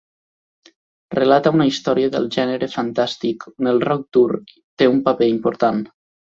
Relata una història del gènere fantàstic on el rock dur té un paper important.